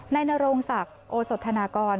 นโรงศักดิ์โอสธนากร